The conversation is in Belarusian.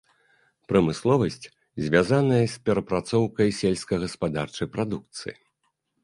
Прамысловасць звязаная з перапрацоўкай сельскагаспадарчай прадукцыі.